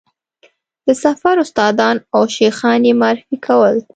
د سفر استادان او شیخان یې معرفي کول.